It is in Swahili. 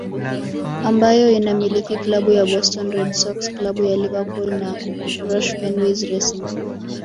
Ambayo inamiliki Klabu ya Boston Red Sox klabu ya Liverpool na Roush Fenways Racing